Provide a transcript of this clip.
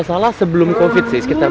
saya sangat setuju